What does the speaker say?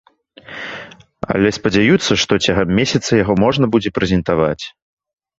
Але спадзяюцца, што цягам месяца яго можна будзе прэзентаваць.